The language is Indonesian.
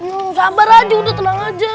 yuh sabar aja udah tenang aja